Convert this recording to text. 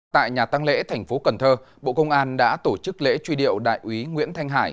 tại nhà tăng lễ thành phố cần thơ bộ công an đã tổ chức lễ truy điệu đại úy nguyễn thanh hải